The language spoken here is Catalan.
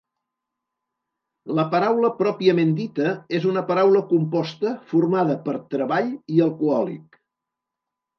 La paraula pròpiament dita és una paraula composta formada per "treball" i "alcohòlic".